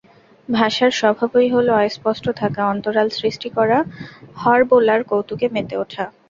ভাষার স্বভাবই হলো অস্পষ্ট থাকা, অন্তরাল সৃষ্টি করা, হরবোলার কৌতুকে মেতে ওঠা।